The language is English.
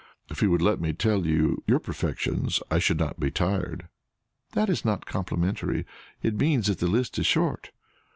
"If you would let me tell you your perfections, I should not be tired." "That is not complimentary; it means that the list is short."